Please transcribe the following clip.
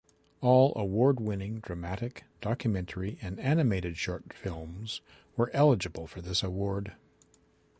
All awarding-winning dramatic, documentary and animated short films were eligible for this award.